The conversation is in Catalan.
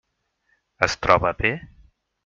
Es troba bé?